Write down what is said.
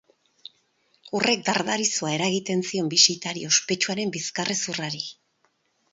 Horrek dardarizoa eragiten zion bisitari ospetsuaren bizkar-hezurrari.